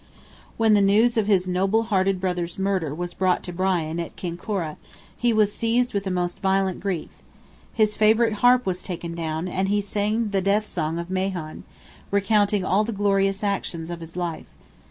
When the news of his noble hearted brother's murder was brought to Brian, at Kinkora, he was seized with the most violent grief. His favourite harp was taken down, and he sang the death song of Mahon, recounting all the glorious actions of his life.